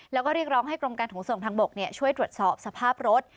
แล้วก็เรียกร้องให้กรมการขนส่งทางบกช่วยตรวจสอบสภาพรถ